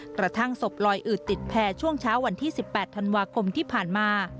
กระทั่งศพลอยอืดติดแพร่ช่วงเช้าวันที่๑๘ธันวาคมที่ผ่านมา